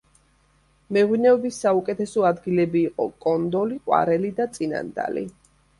მეღვინეობის საუკეთესო ადგილები იყო კონდოლი, ყვარელი და წინანდალი.